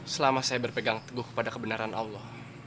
selama saya berpegang teguh kepada kebenaran allah